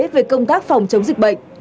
về công tác phòng chống dịch bệnh